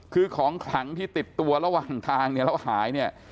คือของถลังที่ติดตัวระหว่างทางแล้วหาย